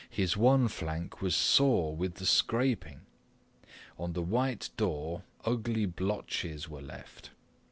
His one flank was sore with the scraping. On the white door ugly blotches were left.